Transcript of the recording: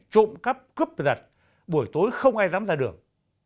trộm cắp cướp giật buổi tối không ai dám ra đường